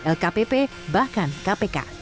lkpp bahkan kpk